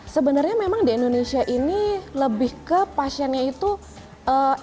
sebenarnya memang di indonesia ini lebih ke pasiennya itu ee